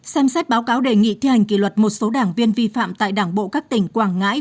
xem xét báo cáo đề nghị thi hành kỷ luật một số đảng viên vi phạm tại đảng bộ các tỉnh quảng ngãi